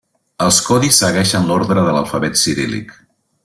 Els codis segueixen l'ordre de l'alfabet ciríl·lic.